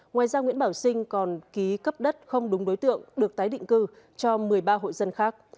ngoài ra nguyễn bảo sinh còn ký cấp đất không đúng đối tượng được tái định cư cho một mươi ba hộ dân khác